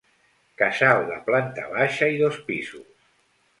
Casal de planta baixa i dos pisos.